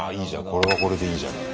これはこれでいいじゃない。